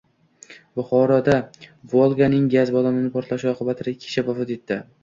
Buxoroda Volganing gaz balloni portlashi oqibatida ikki kishi vafot etdi